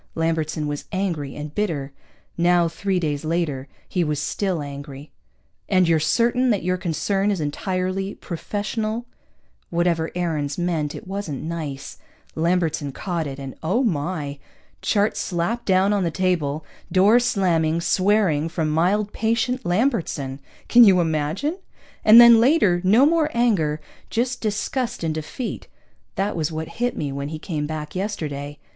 Lambertson was angry and bitter. Now, three days later, he was still angry. "And you're certain that your concern is entirely professional?" (Whatever Aarons meant, it wasn't nice. Lambertson caught it, and oh, my! Chart slapping down on the table, door slamming, swearing from mild, patient Lambertson, can you imagine? And then later, no more anger, just disgust and defeat. That was what hit me when he came back yesterday.